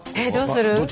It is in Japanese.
えどうする？